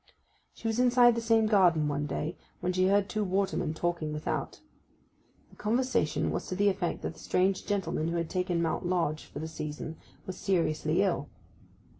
She was inside the same garden one day when she heard two watermen talking without. The conversation was to the effect that the strange gentleman who had taken Mount Lodge for the season was seriously ill.